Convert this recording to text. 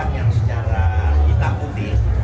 yang secara hitam putih